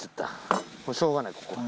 もうしょうがないここは。